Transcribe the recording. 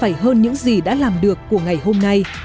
hãy hơn những gì đã làm được của ngày hôm nay